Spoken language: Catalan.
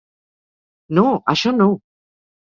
No, això no!